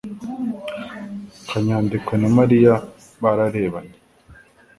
Kanyadekwe na Mariya bararebanye